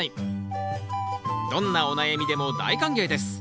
どんなお悩みでも大歓迎です。